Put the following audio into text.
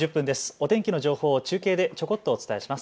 お天気の情報を中継でちょこっとお伝えします。